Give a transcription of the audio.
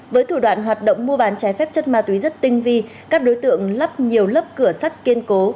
với thủ đoạn hoạt động mua bán trái phép chất ma túy rất tinh vi các đối tượng lắp nhiều lớp cửa sắt kiên cố